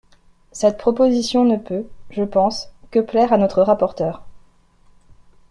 Cette proposition ne peut, je pense, que plaire à notre rapporteur.